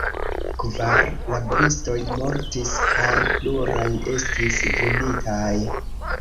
Kvar laboristoj mortis kaj pluraj estis vunditaj.